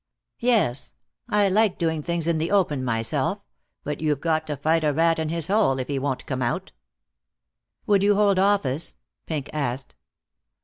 "Yes. I like doing things in the open myself, but you've got to fight a rat in his hole, if he won't come out." "Would you hold office?" Pink asked.